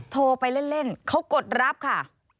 โทรไปเล่นเขากดรับค่ะ